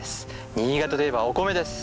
新潟といえばお米です。